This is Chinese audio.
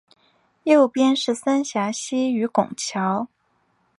右边是三峡溪与拱桥